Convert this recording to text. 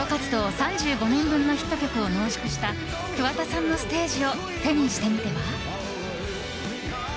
３５年分のヒット曲を濃縮した桑田さんのステージを手にしてみては？